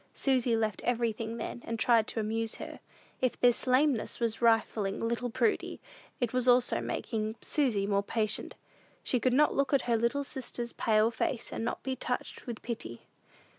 Susy left everything then, and tried to amuse her. If this lameness was refining little Prudy, it was also making Susy more patient. She could not look at her little sister's pale face, and not be touched with pity.